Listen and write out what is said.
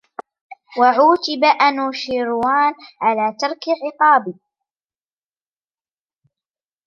وَعُوتِبَ أَنُوشِرْوَانَ عَلَى تَرْكِ عِقَابِ